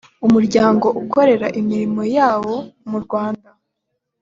umuryango ukorera imirimo yawo mu rwanda